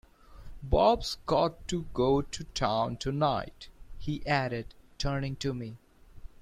“Bob’s got to go to town tonight,” he added, turning to me.